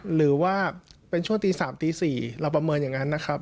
หรือว่าเป็นช่วงตี๓ตี๔เราประเมินอย่างนั้นนะครับ